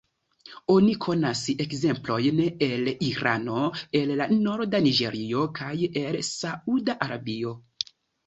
Oni konas ekzemplojn el Irano, el la norda Niĝerio, kaj el Sauda Arabio.